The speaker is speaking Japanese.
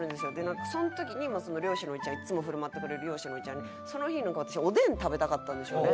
なんかその時にその漁師のおいちゃんいつも振る舞ってくれる漁師のおいちゃんにその日なんか私おでん食べたかったんでしょうね。